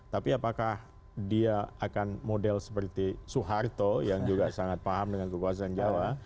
tapi apakah dia akan model seperti soeharto yang juga sangat paham dengan kekuasaan jawa